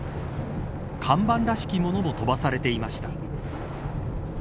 看板らしきものも飛ばされていました。